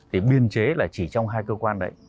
thì biên chế là chỉ trong hai cơ quan đấy